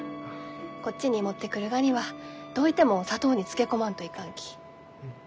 こっちに持ってくるがにはどういても砂糖に漬け込まんといかんき。